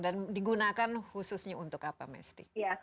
dan digunakan khususnya untuk apa mesty